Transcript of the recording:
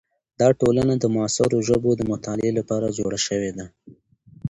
دا ټولنه د معاصرو ژبو د مطالعې لپاره جوړه شوې ده.